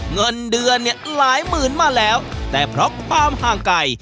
เงินเดือนเนี่ยหลายหมื่นมาแล้วแต่เพราะความห่างไกล